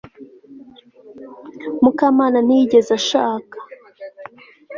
mukamana ntiyigeze ashaka